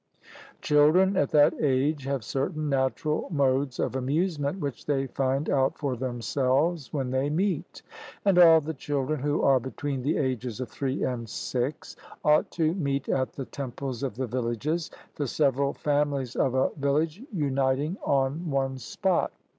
Children at that age have certain natural modes of amusement which they find out for themselves when they meet. And all the children who are between the ages of three and six ought to meet at the temples of the villages, the several families of a village uniting on one spot.